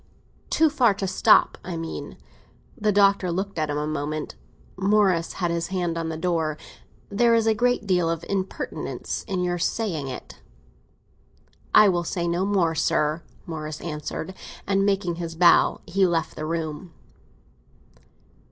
"Too far to stop, I mean." The Doctor looked at him a moment; Morris had his hand on the door. "There is a great deal of impertinence in your saying it." "I will say no more, sir!" Morris answered; and, making his bow, he left the room.